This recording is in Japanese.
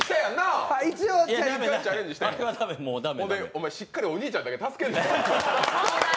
お前、しっかりお兄ちゃんだけ助けるな。